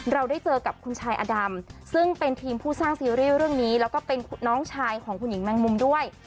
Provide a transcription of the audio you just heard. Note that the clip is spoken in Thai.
เราได้เจอกับคุณชายอดำซึ่งเป็นทีมผู้สร้างซีรีส์เรื่องนี้แล้วก็เป็นน้องชายของคุณหญิงแมงมุมด้วย